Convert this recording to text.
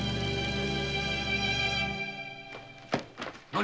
何！